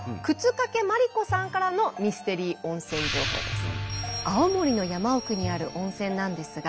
沓掛麻里子さんからのミステリー温泉情報です。